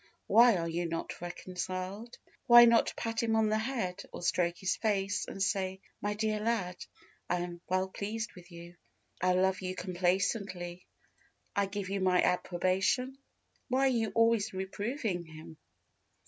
Why are you not reconciled? Why not pat him on the head, or stroke his face, and say, "My dear lad, I am well pleased with you. I love you complacently; I give you my approbation?" Why are you always reproving him?